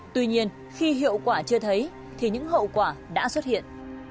tuy nhiên khi hiệu quả chưa thấy thì những hậu quả đã xuất hiện